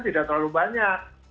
tidak terlalu banyak